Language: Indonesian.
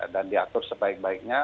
dan diatur sebaik baiknya